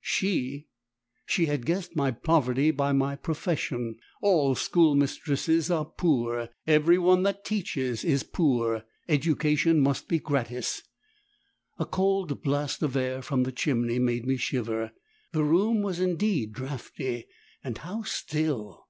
She, she had guessed my poverty by my profession all schoolmistresses are poor; every one that teaches is poor education must be gratis. A cold blast of air from the chimney made me shiver. The room was indeed draughty! and how still!